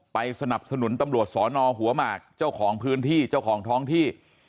สนับสนุนตำรวจสอนอหัวหมากเจ้าของพื้นที่เจ้าของท้องที่